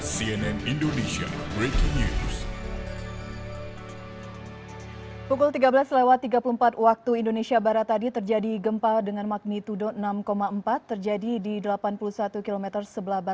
cnn indonesia breaking news